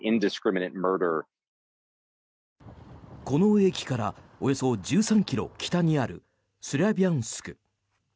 この駅からおよそ１３ｋｍ北にあるスラビャンスク。